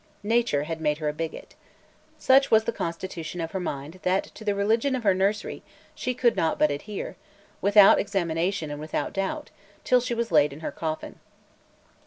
Nature had made her a bigot. Such was the constitution of her mind that to the religion of her nursery she could not but adhere, without examination and without doubt, till she was laid in her coffin.